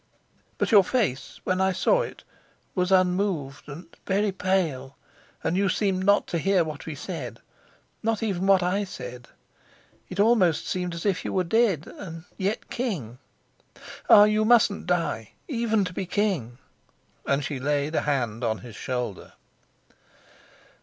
But your face, when I saw it, was unmoved, and very pale, and you seemed not to hear what we said, not even what I said. It almost seemed as if you were dead, and yet king. Ah, you mustn't die, even to be king," and she laid a hand on his shoulder.